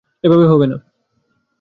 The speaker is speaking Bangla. এভাবে হবে না।